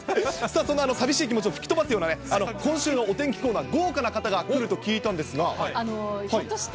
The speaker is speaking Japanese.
その寂しい気持ちを吹き飛ばすようなね、今週のお天気コーナー、豪華な方が来ると聞いたんですが。